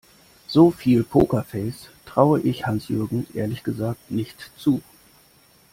So viel Pokerface traue ich Hans-Jürgen ehrlich gesagt nicht zu.